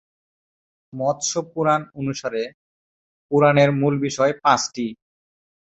মৎস্য পুরাণ অনুসারে, পুরাণের মূল বিষয় পাঁচটি।